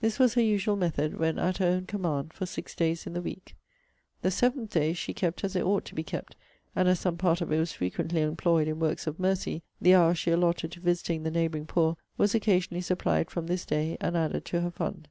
This was her usual method, when at her own command, for six days in the week. THE SEVENTH DAY she kept as it ought to be kept; and as some part of it was frequently employed in works of mercy, the hour she allotted to visiting the neighbouring poor was occasionally supplied from this day, and added to her fund.